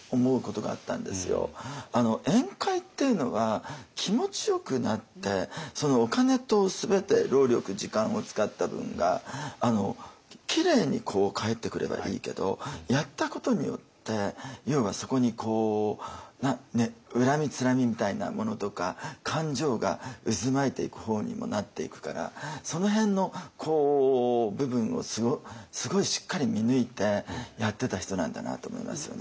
宴会っていうのは気持ちよくなってお金と全て労力時間を使った分がきれいに返ってくればいいけどやったことによって要はそこに恨みつらみみたいなものとか感情が渦巻いていく方にもなっていくからその辺の部分をすごいしっかり見抜いてやってた人なんだなと思いますよね。